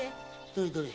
どれどれ。